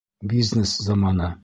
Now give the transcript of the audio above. Бизнес заманы.